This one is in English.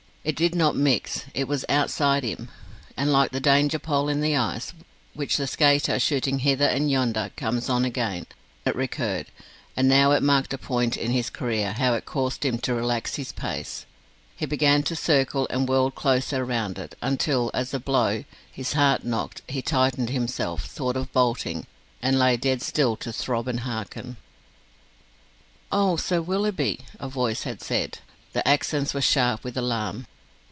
It did not mix: it was outside him, and like the danger pole in the ice, which the skater shooting hither and yonder comes on again, it recurred; and now it marked a point in his career, how it caused him to relax his pace; he began to circle, and whirled closer round it, until, as at a blow, his heart knocked, he tightened himself, thought of bolting, and lay dead still to throb and hearken. "Oh! Sir Willoughby," a voice had said. The accents were sharp with alarm.